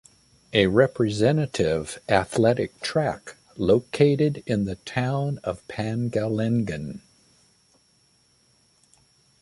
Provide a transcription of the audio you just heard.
A representative athletic track located in the town of Pangalengan.